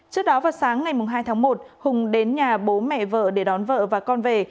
trước đó vào sáng ngày hai tháng một hùng đến nhà bố mẹ vợ để đón vợ và con về